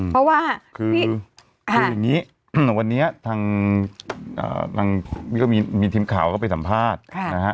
เพราะว่าคืออย่างนี้วันนี้มีทีมข่าวเข้าไปสัมภาษณ์นะฮะ